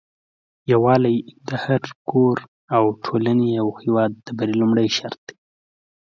يوالي د هري کور او ټولني او هيواد د بری لمړي شرط دي